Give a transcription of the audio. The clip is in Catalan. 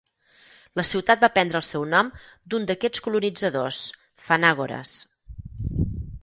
La ciutat va prendre el seu nom d'un d'aquests colonitzadors, Phanagoras.